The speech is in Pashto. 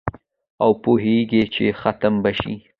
او پوهیږي چي ختم به شي